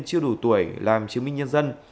chưa đủ tuổi làm chứng minh nhân dân